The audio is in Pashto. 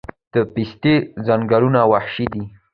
د پستې ځنګلونه وحشي دي؟